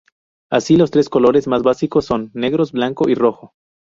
Así, los tres colores más básicos son negros, blanco, y rojo.